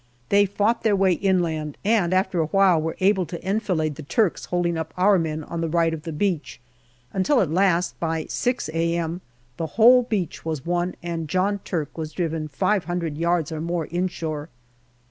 They fought their way inland, and after a while were able to enfilade the Turks holding up our men on the right of the beach, until at last, by 6 a.m., the whole beach was won and John Turk was driven five hundred yards or more inshore.